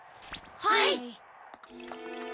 はい。